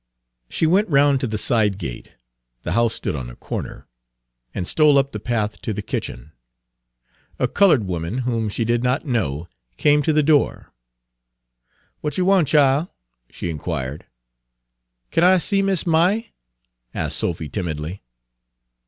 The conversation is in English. She went round to the side gate the Page 283 house stood on a corner and stole up the path to the kitchen. A colored woman, whom she did not know, came to the door. "W'at yer want, chile?" she inquired. "Kin I see Miss Ma'y?" asked Sophy timidly.